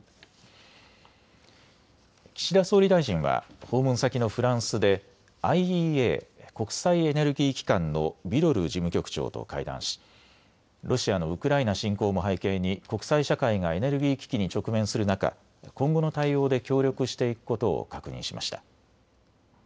岸田総理大臣は訪問先のフランスでＩＥＡ・国際エネルギー機関のビロル事務局長と会談しロシアのウクライナ侵攻も背景に国際社会がエネルギー危機に直面する中、今後の対応で協力していくことを確認しました。